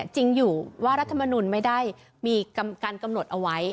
จริงอยู่ว่ารัฐมนุนไม่ได้มีการกำหนดเอาไว้